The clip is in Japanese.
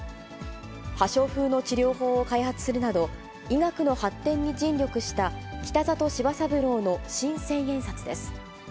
破傷風の治療法を開発するなど、医学の発展に尽力した北里柴三郎の新千円札です。